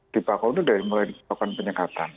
dipakau itu dari mulai dikepakan penyekatan